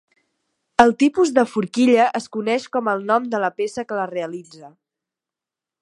El tipus de forquilla es coneix com el nom de la peça que la realitza.